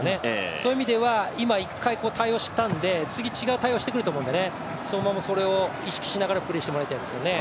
そういう意味では１回対応したので次、違う対応をしてくると思うので相馬もそれを意識しながらプレーしてもらいたいですね。